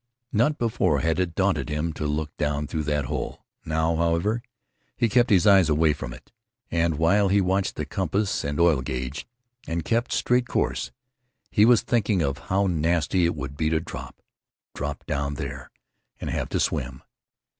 Not before had it daunted him to look down through that hole. Now, however, he kept his eyes away from it, and, while he watched the compass and oil gauge, and kept a straight course, he was thinking of how nasty it would be to drop, drop down there, and have to swim.